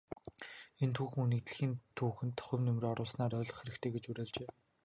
Энэ түүхэн хүнийг дэлхийн түүхэнд хувь нэмрээ оруулснаар нь ойлгох хэрэгтэй гэж уриалжээ.